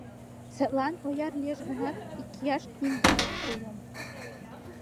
Садлан, ояр лиеш гынат, икияш кинде ок йом.